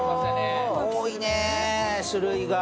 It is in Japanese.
多いね、種類が。